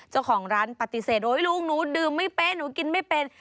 เจ้าของร้านปฏิเสธโอ๊ยลุงหนูดื่มไม่เป๊ะหนูกินไม่เป็น